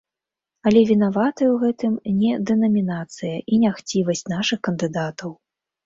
Але вінаватая ў гэтым не дэнамінацыя і не хцівасць нашых кандытараў.